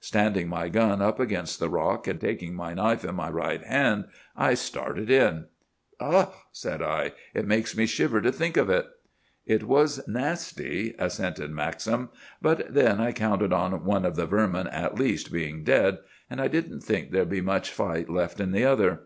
Standing my gun up against the rock, and taking my knife in my right hand, I started in!' "'Ugh!' said I, 'it makes me shiver to think of it!' "'It was nasty,' assented Maxim; 'but then, I counted on one of the vermin, at least, being dead; and I didn't think there'd be much fight left in the other.